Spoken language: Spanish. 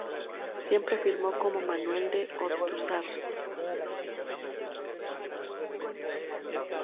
Siempre firmó como Manuel de Ortúzar.